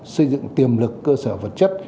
xây dựng tiềm lực cơ sở vật chất